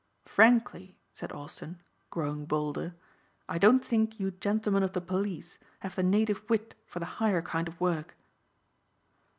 Frankly," said Austin growing bolder, "I don't think you gentlemen of the police have the native wit for the higher kind of work."